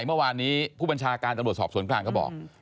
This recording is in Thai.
เมื่อวานนี้ผู้บัญชาการตำรวจสอบสวนกลางก็บอก